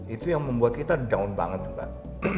itu yang membuat kita down banget mbak